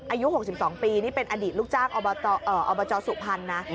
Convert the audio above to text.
อายุ๖๒ปีนี่เป็นอดีตลูกจ้างอบจสุพรรณนะ